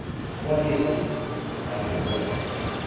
"What is it?" asked the prince.